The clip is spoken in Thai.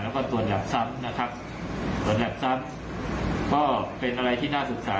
แล้วก็ตรวจหยาบซ้ำนะครับตรวจหยัดซ้ำก็เป็นอะไรที่น่าศึกษา